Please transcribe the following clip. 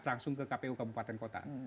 langsung ke kpu kabupaten kota